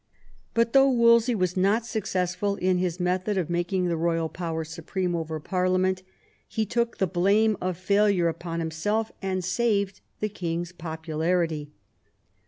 But though Wolsey was not successful in his method of making the royal power supreme over Parliament, he took the blame of failure upon himself, and saved the king's popularity.